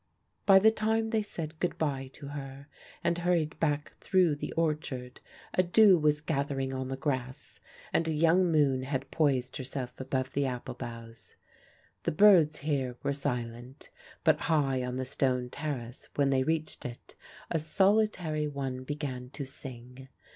By the time they said good bye to her and hurried back through the orchard, a dew was gathering on the grass and a young moon had poised herself above the apple boughs. The birds here were silent; but high on the stone terrace, when they reached it, a solitary one began to sing.